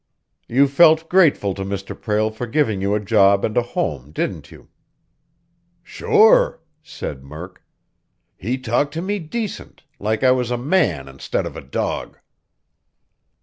"You felt grateful to Mr. Prale for giving you a job and a home, didn't you?" "Sure!" said Murk. "He talked to me decent, like I was a man instead of a dog."